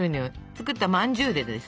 作ったまんじゅうでですね